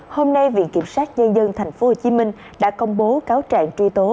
hôm nay viện kiểm sát nhân dân tp hcm đã công bố cáo trạng truy tố